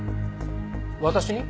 私に？